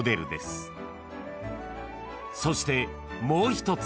［そしてもう一つ］